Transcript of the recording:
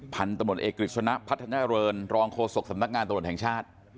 พันธุ์ตำรวจเอกกฤษณะพัฒนาเริงรองโฆษกสำนักงานตำรวจแห่งชาติ